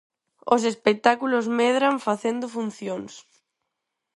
Os espectáculos medran facendo funcións.